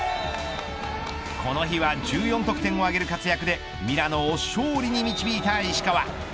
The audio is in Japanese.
この日は１４得点を挙げる活躍でミラノを勝利に導いた石川。